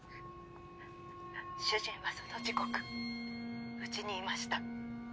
主人はその時刻うちにいました。